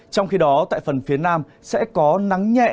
trong khi đó tại phần phía nam sẽ có nắng nhẹ